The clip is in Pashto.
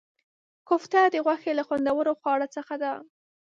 کوفته د غوښې له خوندورو خواړو څخه دی.